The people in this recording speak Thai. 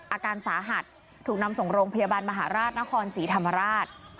อาการสาหัสถูกนำส่งโรงพยาบาลมหาราชนครศรีธรรมราช